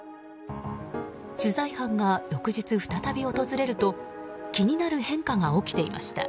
取材班が翌日、再び訪れると気になる変化が起きていました。